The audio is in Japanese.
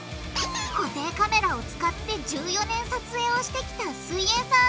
固定カメラを使って１４年撮影をしてきた「すイエんサー」